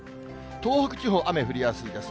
東北地方、雨降りやすいです。